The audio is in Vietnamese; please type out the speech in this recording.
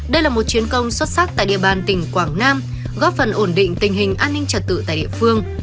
đây là một chiến công xuất sắc tại địa bàn tỉnh quảng nam góp phần ổn định tình hình an ninh trật tự tại địa phương